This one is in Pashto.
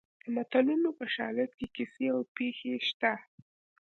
د متلونو په شالید کې کیسې او پېښې شته